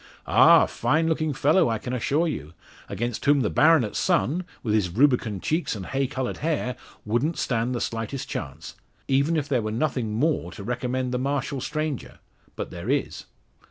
Ah! a fine looking fellow, I can assure you; against whom the baronet's son, with his rubicund cheeks and hay coloured hair, wouldn't stand the slightest chance even were there nothing: more to recommend the martial stranger. But there is."